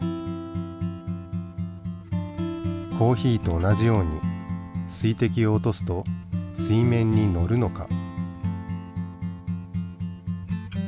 コーヒーと同じように水滴を落とすと水面にのるのか？